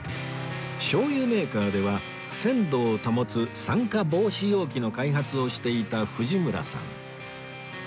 醤油メーカーでは鮮度を保つ酸化防止容器の開発をしていた藤村さん